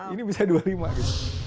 ini bisa dua puluh lima gitu